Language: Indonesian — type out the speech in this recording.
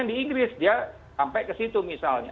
di inggris dia sampai ke situ misalnya